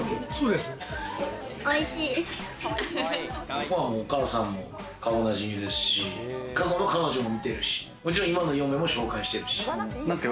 ここはお母さんも顔なじみですし、過去の彼女も見てるし、今の嫁も紹介してるし。